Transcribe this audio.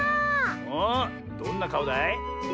おっどんなかおだい？